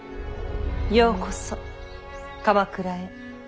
ようこそ鎌倉へ。